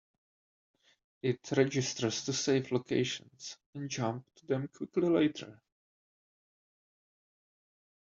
It registers to save locations and jump to them quickly later.